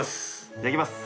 いただきます。